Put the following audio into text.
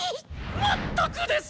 全くです！